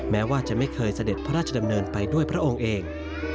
แม้ว่าจะไม่เคยเสด็จพระราชดำเนินไปด้วยพระองค์เอง